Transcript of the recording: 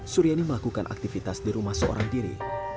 suryani melakukan aktivitas di rumah seorang diri